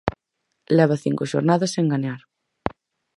Leva cinco xornadas sen gañar.